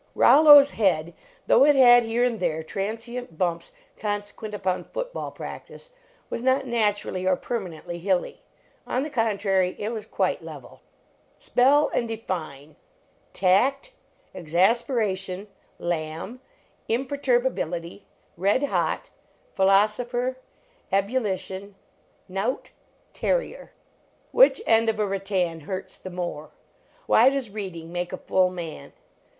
Rollo s head, though it had here and there transient bumps consequent upon foot ball practice, was not naturally or permanently hilly. On the contrary, it was quite level. SPELL AND DEFINI : Tact Imperturbability Ebullition Exasperation Red hot Knout Lamb Philosopher Terrier Which end of a rattan hurts the more? Why does reading make a full man?